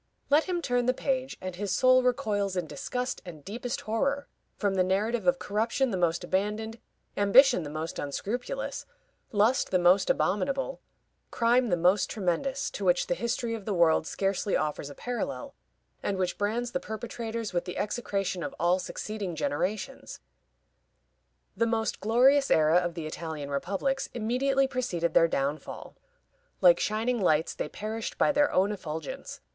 Let him turn the page, and his soul recoils in disgust and deepest horror from the narrative of corruption the most abandoned, ambition the most unscrupulous, lust the most abominable, crime the most tremendous, to which the history of the world scarcely offers a parallel, and which brands the perpetrators with the execration of all succeeding generations. The most glorious era of the Italian republics immediately preceded their downfall. Like shining lights, they perished by their own effulgence.